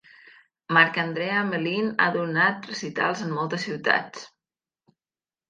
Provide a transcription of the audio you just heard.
Marc-André Hamelin ha donat recitals en moltes ciutats.